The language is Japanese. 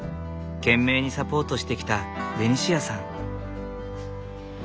懸命にサポートしてきたベニシアさん。